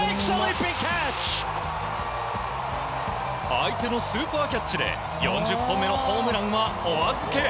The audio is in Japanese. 相手のスーパーキャッチで４０本目のホームランはお預け。